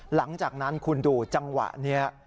หลังจากนั้นคุณดูจังหวะนี้